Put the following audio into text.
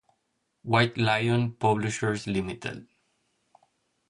White Lion Publishers Ltd.